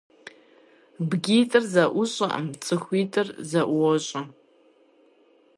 БгитIыр зэIущIэркъым, цIыхуитIыр зэIуощIэ.